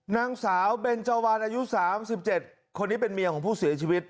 น้องสาวเบนเจาาาลอายุสามสิบเจ็ดคนนี้เป็นเมียของผู้สินชีวิต